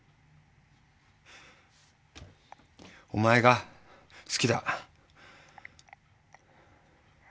お前が好きだ！